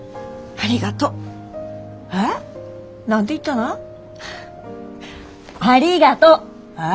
ありがとう！え？